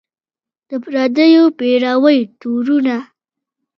د پردیو پیروۍ تورونه